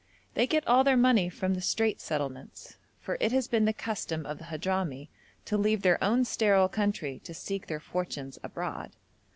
They get all their money from the Straits Settlements, for it has been the custom of the Hadhrami to leave their own sterile country to seek their fortunes abroad.